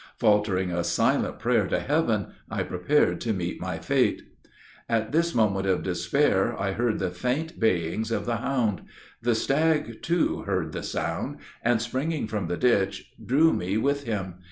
Faltering a silent prayer to Heaven, I prepared to meet my fate. "At this moment of despair, I heard the faint bayings of the hound; the stag, too, heard the sound, and, springing from the ditch, drew me with him.